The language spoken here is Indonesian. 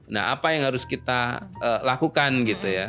nah apa yang harus kita lakukan gitu ya